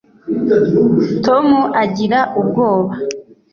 Tom agira ubwoba